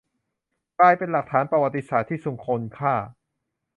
กลายเป็นหลักฐานประวัติศาสตร์ที่ทรงคุณค่า